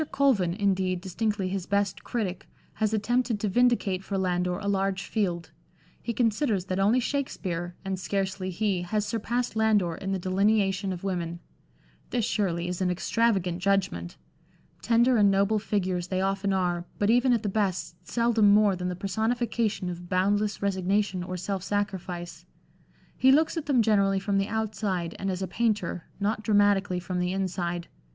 Colvin, indeed, distinctly his best critic, has attempted to vindicate for Landor a large field ; he considers that only Shakspere, and scarcely he, has surpassed Landor in the delineation of women. This, surely, is an extravagant judgment. Tender and noble figures they often are, but even at the best seldom more than the personification of boundless resignation or self sacrifice. He looks at them generally from the outside and as a painter, not dramatically from the inside.